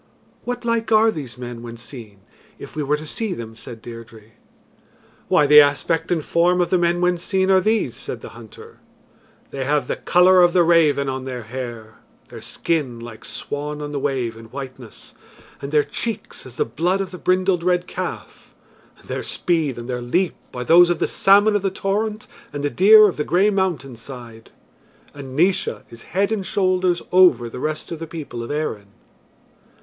"What like are these men when seen, if we were to see them?" said Deirdre. "Why, the aspect and form of the men when seen are these," said the hunter: "they have the colour of the raven on their hair, their skin like swan on the wave in whiteness, and their cheeks as the blood of the brindled red calf, and their speed and their leap are those of the salmon of the torrent and the deer of the grey mountain side. And Naois is head and shoulders over the rest of the people of Erin."